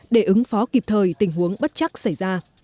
để ứng phó kịp thời tình huống bất chắc xảy ra